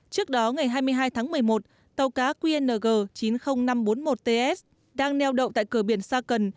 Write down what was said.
trước đó ngày hai mươi hai tháng một mươi một tàu cá qng chín mươi nghìn năm trăm bốn mươi một ts đang neo đậu tại cửa biển sa cần